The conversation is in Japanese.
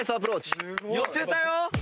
寄せたよ。